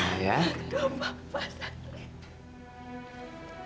tidak apa apa setri